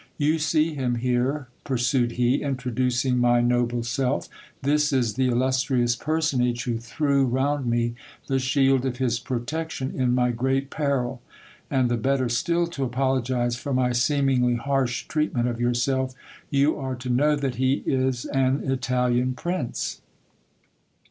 You see him here, pursued he, introducing my noble self, this is the illustrious personage who threw round me the shield of his protection in my great peril : and, the better still to apologize for my seemingly harsh treatment of yourself, you are to know that he is an Italian prince.